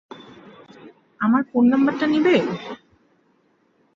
আমার ফোন নাম্বারটা নিবে?